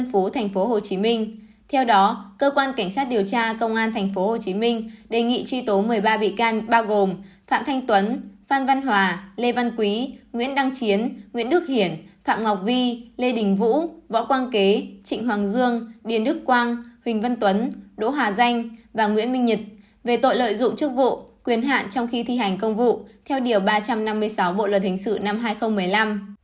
phạm thanh tuấn phan văn hòa lê văn quý nguyễn đăng chiến nguyễn đức hiển phạm ngọc vi lê đình vũ võ quang kế trịnh hoàng dương điền đức quang huỳnh văn tuấn đỗ hà danh và nguyễn minh nhật về tội lợi dụng chức vụ quyền hạn trong khi thi hành công vụ theo điều ba trăm năm mươi sáu bộ luật hình sự năm hai nghìn một mươi năm